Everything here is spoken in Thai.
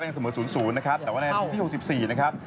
ก็ยังเสมอ๐๐นะครับแต่ว่าในฐานตี๖๔นะครับ